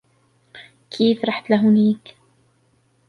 كيف رحت لهونيك ؟